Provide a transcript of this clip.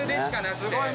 すごい！